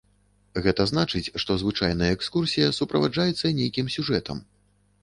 Гэта значыць, што звычайная экскурсія суправаджаецца нейкім сюжэтам.